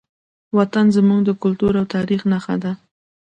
وطن زموږ د کلتور او تاریخ نښه ده.